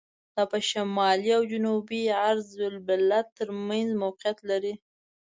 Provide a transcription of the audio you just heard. دا په شمالي او جنوبي عرض البلد تر منځ موقعیت لري.